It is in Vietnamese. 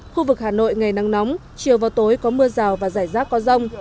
khu vực hà nội ngày nắng nóng chiều và tối có mưa rào và rải rác có rông